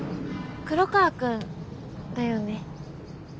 黒川くんだよね？